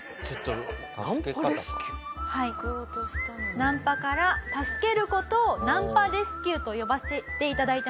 ナンパから助ける事をナンパレスキューと呼ばせて頂いてます。